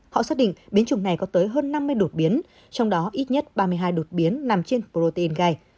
họ xác định biến chủng này có tới hơn năm mươi đột biến trong đó ít nhất ba mươi hai đột biến nằm trên protein gai